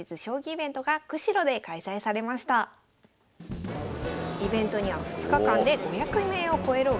イベントには２日間で５００名を超えるお客様が参加されました。